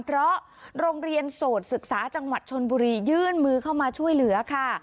เพราะโรงเรียนโสดศึกษาจังหวัดชนบุรียื่นมือเข้ามาช่วยเหลือค่ะ